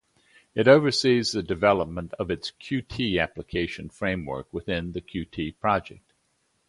It oversees the development of its Qt application framework within the Qt Project.